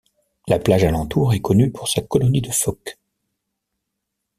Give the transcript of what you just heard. La plage alentour est connue pour sa colonie de phoques.